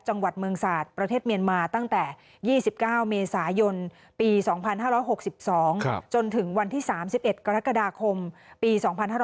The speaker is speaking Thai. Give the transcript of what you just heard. จังหวัดเมืองศาสตร์ประเทศเมียนมาตั้งแต่๒๙เมษายนปี๒๕๖๒จนถึงวันที่๓๑กรกฎาคมปี๒๕๕๙